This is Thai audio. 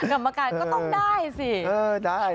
กรรมการก็ต้องได้สิ